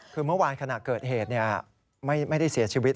คือเมื่อวานขณะเกิดเหตุไม่ได้เสียชีวิต